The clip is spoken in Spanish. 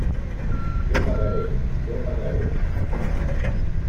¡ yo pagaré! ¡ yo pagaré!